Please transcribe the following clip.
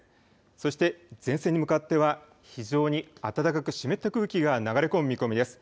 そして前線に向かっては、非常に暖かく湿った空気が流れ込む見込みです。